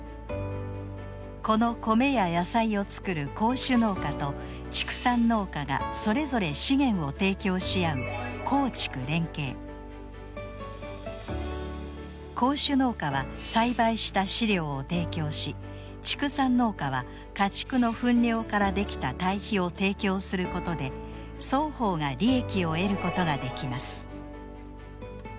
このコメや野菜を作る耕種農家と畜産農家がそれぞれ資源を提供し合う耕種農家は栽培した飼料を提供し畜産農家は家畜の糞尿からできた堆肥を提供することで双方が利益を得ることができます。